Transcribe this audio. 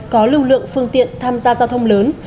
có lưu lượng phương tiện tham gia giao thông lớn